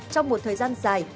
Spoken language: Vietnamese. trong một thời gian dài